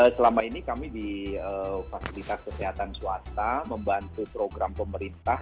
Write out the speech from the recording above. selama ini kami di fasilitas kesehatan swasta membantu program pemerintah